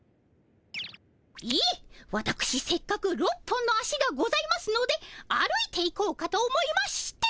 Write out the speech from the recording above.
いえわたくしせっかく６本の足がございますので歩いていこうかと思いまして。